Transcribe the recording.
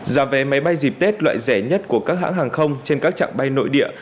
giá vé máy bay dịp tết loại rẻ nhất của các hãng hàng không trên các trạng bay nội địa